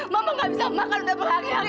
mama enggak bisa makan untuk berhari hari